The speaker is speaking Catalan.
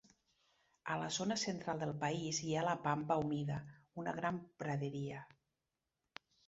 A la zona central del país hi ha la Pampa humida, una gran praderia.